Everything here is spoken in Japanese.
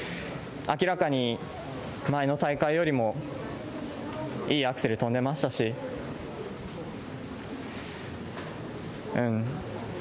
明らかに前の大会よりもいいアクセル跳んでましたし、うん。